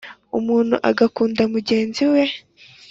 umuntu agakunda mugenzi we